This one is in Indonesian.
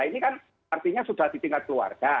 ini kan artinya sudah di tingkat keluarga